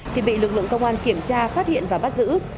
thì bị lực lượng công an kiểm tra phát hiện và bắt giữ